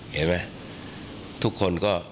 เห็นมั้ยทุกคนก็